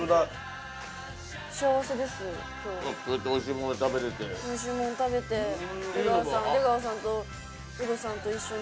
おいしいもん食べて出川さんとウドさんと一緒に。